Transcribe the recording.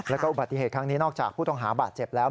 แล้วก็บทธิ์แคระครั้งนี้นอกจากผู้ฐงหาบาดเจ็บแล้ว